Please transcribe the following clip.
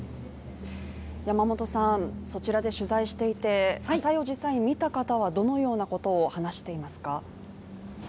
山本さん、そちらで取材していて、最後実際に見た方はどのようなことを話していますか。